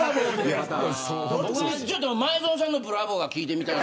ちょっと前園さんのブラボーが聞いてみたい。